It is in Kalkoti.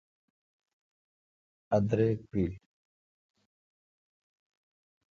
ا دریک پیل۔